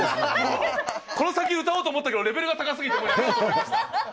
この先、歌おうと思ったけど、レベルが高すぎてもうやめました。